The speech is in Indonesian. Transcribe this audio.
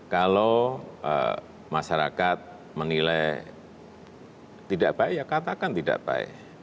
kalau masyarakat menilai tidak baik ya katakan tidak baik